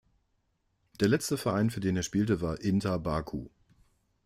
Der letzte Verein, für den er spielte, war Inter Baku.